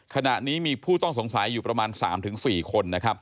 ขณะนี้มีผู้ต้องสงสัยอยู่ประมาณ๓๔คนนะครับ